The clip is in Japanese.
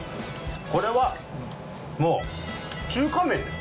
これはもう中華麺です。